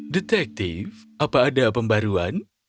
detektif apa ada pembaruan